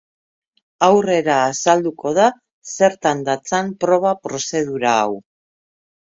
Aurrera azalduko da zertan datzan proba prozedura hau.